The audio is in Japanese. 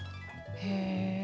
へえ。